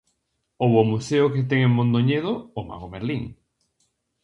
Ou o museo que ten en Mondoñedo o Mago Merlín.